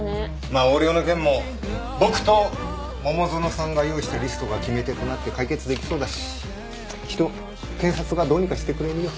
まあ横領の件も僕と桃園さんが用意したリストが決め手となって解決できそうだしきっと検察がどうにかしてくれるよ。